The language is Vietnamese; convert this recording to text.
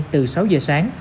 từ sáu giờ sáng